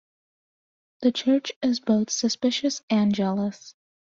The Church is both suspicious and jealous.